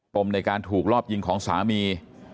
ในการถูกรอบยิงของสามี